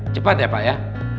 cepat ya pak ya